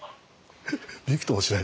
ビクともしない。